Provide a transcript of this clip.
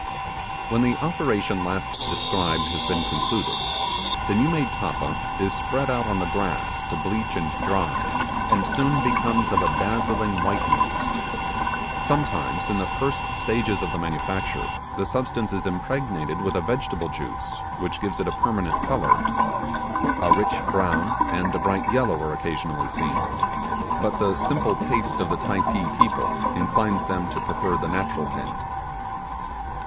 When the operation last described has been concluded, the new made tappa is spread out on the grass to bleach and dry, and soon becomes of a dazzling whiteness. Sometimes, in the first stages of the manufacture, the substance is impregnated with a vegetable juice, which gives it a permanent colour. A rich brown and a bright yellow are occasionally seen, but the simple taste of the Typee people inclines them to prefer the natural tint.